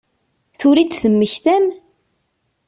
Tura i d-temmektam?